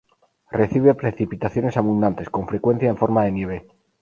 Recibe precipitaciones abundantes, con frecuencia en forma de nieve.